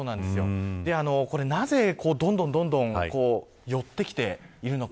なぜ、どんどん寄ってきているのか